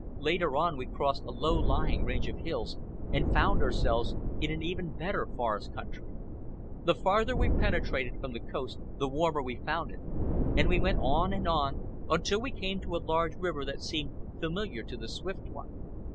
Later on we crossed a low lying range of hills and found ourselves in an even better forest country. The farther we penetrated from the coast the warmer we found it, and we went on and on until we came to a large river that seemed familiar to the Swift One.